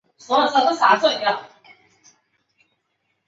他是莱库古的支持者并与复兴安菲阿拉俄斯的崇拜有关。